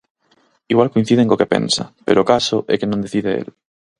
Igual coinciden co que pensa pero o caso é que non decide el.